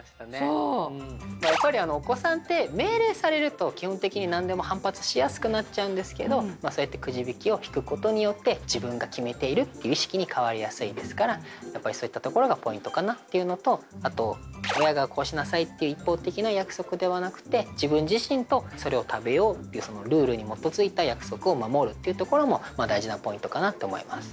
やっぱりお子さんって命令されると基本的に何でも反発しやすくなっちゃうんですけどそうやってくじ引きを引くことによって自分が決めているって意識に変わりやすいですからやっぱりそういったところがポイントかなっていうのとあと親がこうしなさいって一方的な約束ではなくて自分自身とそれを食べようっていうそのルールに基づいた約束を守るっていうところも大事なポイントかなって思います。